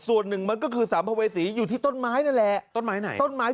ส่วนหนึ่งมันก็คือสัมภเวษีอยู่ที่ต้นไม้นั่นแหละต้นไม้ไหนต้นไม้